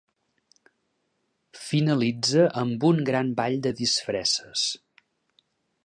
Finalitza amb un gran ball de disfresses.